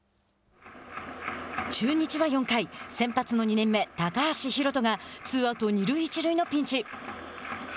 中日は４回、先発の２年目高橋宏斗が、ツーアウト、二塁一塁のピンチ。